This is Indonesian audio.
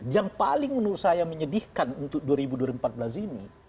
yang paling menurut saya menyedihkan untuk dua ribu empat belas ini